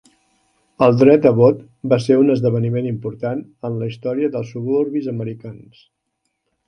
El dret a vot va ser un esdeveniment important en la història dels suburbis americans.